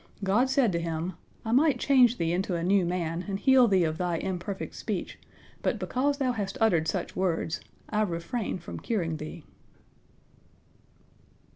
God said to him: "I might change thee into a new man, and heal thee of thy imperfect speech, but because thou hast uttered such words, I refrain from curing thee."